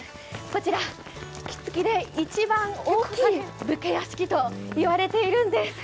こちら杵築で一番大きい武家屋敷と言われているんです。